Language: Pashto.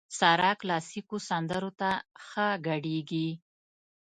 سارا کلاسيکو سندرو ته ښه ګډېږي.